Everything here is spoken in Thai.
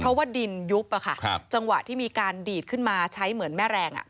เพราะว่าดินยุบจังหวะที่มีการดีดขึ้นมาใช้เหมือนแม่แรง